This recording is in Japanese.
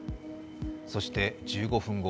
そして１５分後